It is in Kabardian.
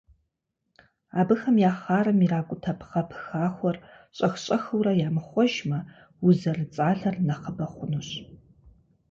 Абыхэм я хъарым иракӏутэ пхъэ пыхахуэр щӏэх-щӏэхыурэ ямыхъуэжмэ, уз зэрыцӏалэр нэхъыбэ хъунущ.